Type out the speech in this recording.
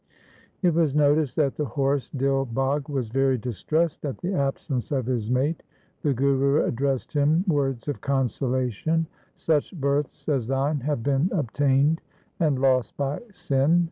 It was noticed that the horse Dil Bagh was very distressed at the absence of his mate. The Guru addressed him words of consolation :' Such births as thine have been obtained and lost by sin.